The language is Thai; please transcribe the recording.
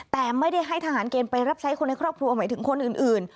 แต่ไม่ได้ให้ทหารเกณฑ์ไปรับใช้คนในครอบครัวหมายถึงคนอื่น